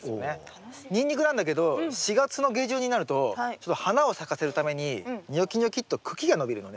ニンニクなんだけど４月の下旬になるとちょっと花を咲かせるためにニョキニョキっと茎が伸びるのね。